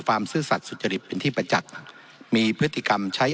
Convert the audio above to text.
ซื่อสัตว์สุจริตเป็นที่ประจักษ์มีพฤติกรรมใช้